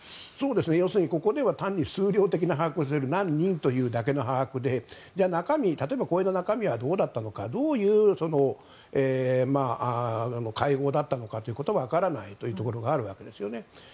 要するにここでは単に数量的な把握何人というだけの把握で例えば、中身はどうだったのかどういう会合だったのかはわからないというところがあるわけですよね。